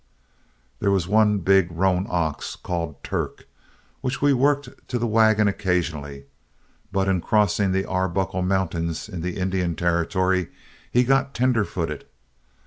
"There was one big roan ox, called Turk, which we worked to the wagon occasionally, but in crossing the Arbuckle Mountains in the Indian Territory, he got tender footed.